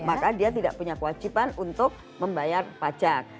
maka dia tidak punya kewajiban untuk membayar pajak